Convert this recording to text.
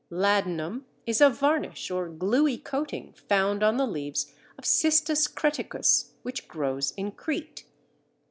Ladanum is a varnish or gluey coating found on the leaves of Cistus creticus, which grows in Crete.